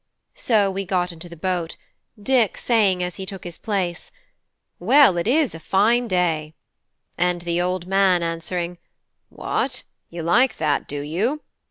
So we got into the boat, Dick saying as he took his place, "Well, it is a fine day!" and the old man answering "What! you like that, do you?"